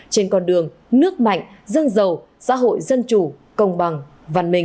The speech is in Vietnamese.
trên con đường nước mạnh dân giàu xã hội dân chủ công bằng văn minh